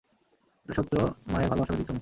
এটা সত্য, মায়ের ভালবাসা ব্যতিক্রমী।